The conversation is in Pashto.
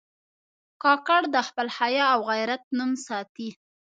کاکړ د خپل حیا او غیرت نوم ساتي.